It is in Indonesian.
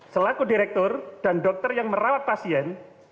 selaku direktur dan dokter yang merawat pasien